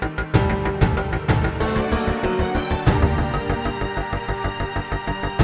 hidung aku gak oakland engga means alfred sih ini lamu